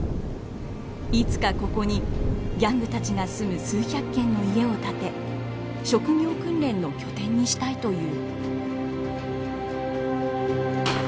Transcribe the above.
いつかここにギャングたちが住む数百軒の家を建て職業訓練の拠点にしたいという。